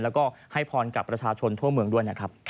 แล้วก็ให้พรกับประชาชนทั่วเมืองด้วยนะครับ